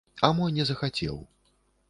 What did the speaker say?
А мо не захацеў.